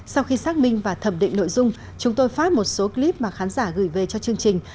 sau khi xác minh và thẩm định nội dung chúng tôi phát một số clip mà khán giả gửi về cho chương trình